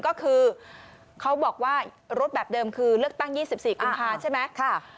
ก็คือเขาบอกว่ารถแบบเดิมคือเลือกตั้ง๒๔กุมภาใช่ไหม